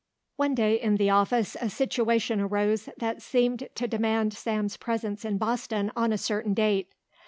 One day in the office a situation arose that seemed to demand Sam's presence in Boston on a certain date.